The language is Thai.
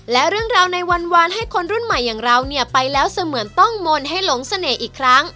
และเรื่องราวในวันให้คนรุ่นใหม่อย่างเราเนี่ยไปแล้วเสมือนต้องมนต์ให้หลงเสน่ห์อีกครั้ง